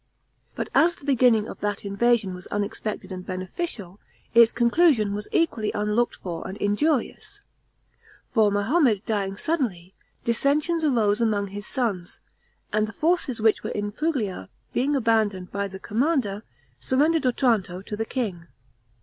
But as the beginning of that invasion was unexpected and beneficial, its conclusion was equally unlooked for and injurious; for Mahomet dying suddenly, dissensions arose among his sons, and the forces which were in Puglia being abandoned by their commander, surrendered Otranto to the king.